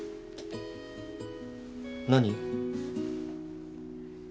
何？